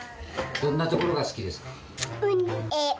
どんなところが好きですか？